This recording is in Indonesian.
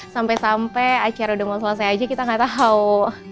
sampai sampai acara udah mau selesai aja kita nggak tahu